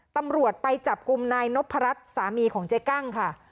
ตำรวจไปจับกลุ่มนายนพรัชสามีของเจ๊กั้งค่ะ